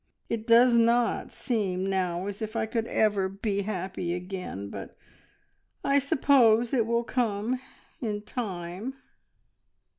It does not seem now as if I could ever be happy again, but I suppose it will come in time."